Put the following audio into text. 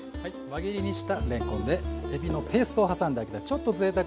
輪切りにしたれんこんでえびのペーストを挟んで揚げた